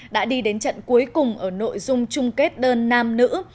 đã đi đến trận cuối cùng ở nội dung chung kết đơn nam nữ